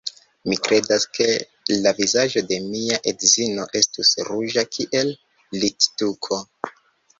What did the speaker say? Mi kredas, ke la vizaĝo de mia edzino estus ruĝa kiel littuko.